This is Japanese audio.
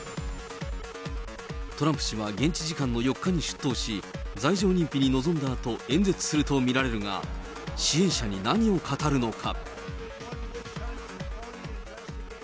トランプ氏は現地時間の４日に出頭し、罪状認否に臨んだあと、演説すると見られるが、支援者に何を語るのか。